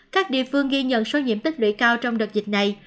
các địa phương ghi nhận số nhiễm tích lưỡi cao trong đợt dịch này